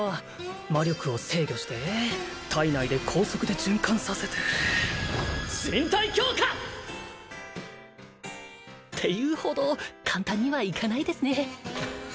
魔力を制御して体内で高速で循環させて身体強化！っていうほど簡単にはいかないですね